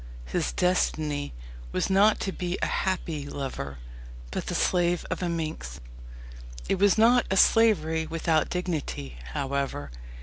His destiny was not to be a happy lover, but the slave of a "minx." It was not a slavery without dignity, however.